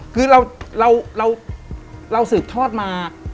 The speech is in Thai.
คือเราศึกษาด้านมา